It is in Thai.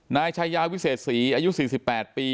นายชายาวิเศษศรีอายุ๔๘ปี